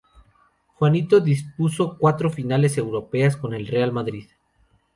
Juanito disputó cuatro finales europeas con el Real Madrid.